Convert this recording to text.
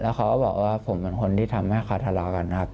เขาก็บอกว่าผมเป็นคนที่ทำให้เขาทะเลาะกันครับ